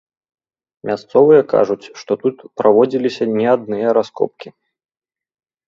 Мясцовыя кажуць, што тут праводзіліся не адныя раскопкі.